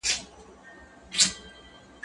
کېدای سي کاغذ ګډ وي.